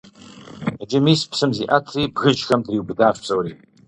Иджы, мис, псым зиӀэтри, бгыжьхэм дриубыдащ псори.